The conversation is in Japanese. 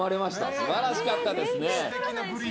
素晴らしかったですね。